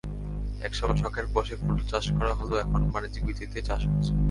একসময় শখের বশে ফুল চাষ করা হলেও এখন বাণিজ্যিক ভিত্তিতে চাষ হচ্ছে।